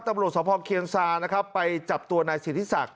ตำรวจสภเคียนซานะครับไปจับตัวนายสิทธิศักดิ